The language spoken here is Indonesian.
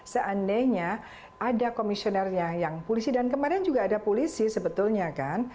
seandainya ada komisionernya yang polisi dan kemarin juga ada polisi sebetulnya kan